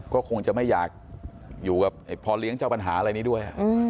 ก็คงจะไม่อยากอยู่กับพ่อเลี้ยงเจ้าปัญหาอะไรนี้ด้วย